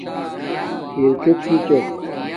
کرکِٹ کݵ چݸق؟